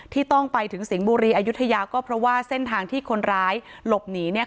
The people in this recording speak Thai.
ที่ต้องไปถึงสิงห์บุรีอายุทยาก็เพราะว่าเส้นทางที่คนร้ายหลบหนีเนี่ย